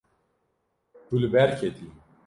Tu li ber ketî.